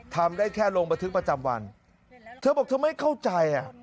ทำได้แค่ลงบันทึกประจำวันเธอบอกเธอไม่เข้าใจอ่ะ